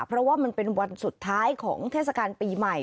เพราะว่ามันเป็นวันสุดท้ายของเทศกาลปีใหม่